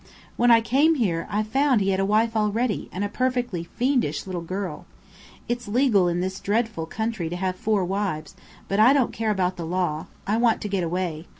When I came here, I found he had a wife already, and a perfectly fiendish little girl. It is legal in this dreadful country to have four wives, but I don't care about the law. I want to get away.